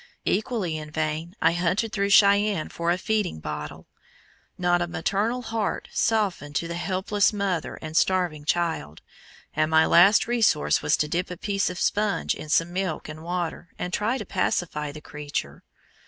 Equally in vain I hunted through Cheyenne for a feeding bottle. Not a maternal heart softened to the helpless mother and starving child, and my last resource was to dip a piece of sponge in some milk and water, and try to pacify the creature.